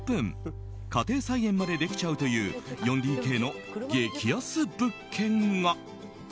家庭菜園までできちゃうという４ＤＫの激安物件が。